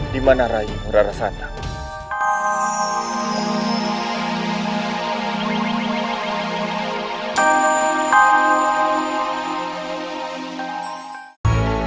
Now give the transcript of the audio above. di mana raih merarasanak